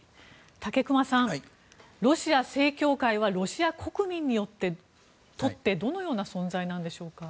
武隈さん、ロシア正教会はロシア国民にとってどのような存在なのでしょうか。